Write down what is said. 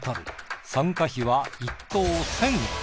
参加費は１投１，０００円。